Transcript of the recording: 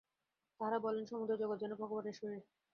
তাঁহারা বলেন সমুদয় জগৎ যেন ভগবানের শরীর।